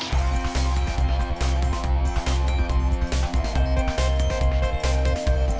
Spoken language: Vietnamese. hẹn gặp lại